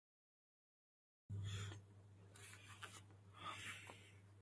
خبر تازه